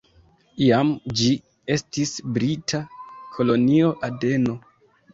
Iam ĝi estis brita Kolonio Adeno.